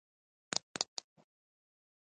هغه د جمهوري محاورې په کتاب کې پرې بحث کړی دی